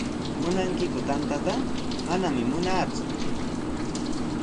¿Munankiku tantata? Manami munaaku.